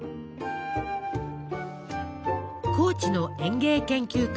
高知の園芸研究家